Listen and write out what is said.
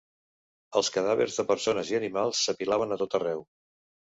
Els cadàvers de persones i animals s'apilaven a tot arreu.